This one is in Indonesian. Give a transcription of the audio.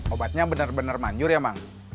obatnya benar benar manjur ya mang